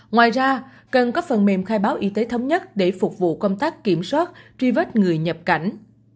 ngoài ra cần có phần mềm khai báo y tế thống nhất để phục vụ công tác kiểm soát truy vết người nhập cảnh